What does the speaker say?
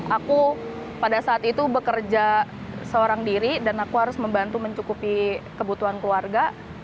aku pada saat itu bekerja seorang diri dan aku harus membantu mencukupi kebutuhan keluarga